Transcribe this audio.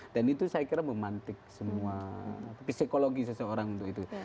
dan itu saya kira memantik semua psikologi seseorang untuk itu